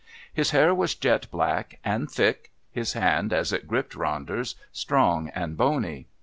His hair was jet black and thick; his hand, as it gripped Ronder's, strong and bony.